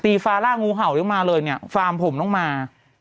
ตีฟาร่างูเหล่านี่ออกมาเลยฟาร์มผมน้องมา